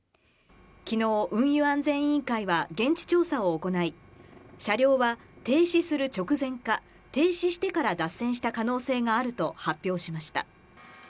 きのう、運輸安全委員会は現地調査を行い、車両は停止する直前か、停止してから脱線した可能性があると発表しました。